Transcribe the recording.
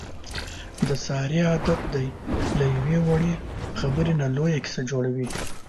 د سارې عادت دی له یوې وړې خبرې نه لویه کیسه جوړوي.